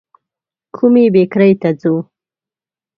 کومي بېکرۍ ته ځو ؟